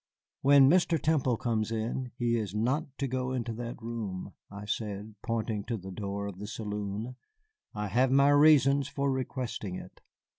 "When Mr. Temple comes in, he is not to go into that room," I said, pointing to the door of the saloon; "I have my reasons for requesting it."